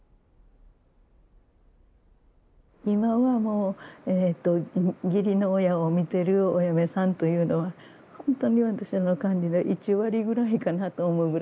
今はもう義理の親を見てるお嫁さんというのは本当に私の感じで１割ぐらいかなと思うぐらいの。